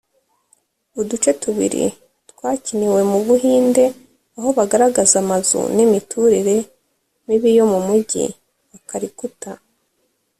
uduce tubiri twakiniwe mu Buhinde aho bagaragaza amazu n’imiturire mibi yo mu mugi wa Calcutta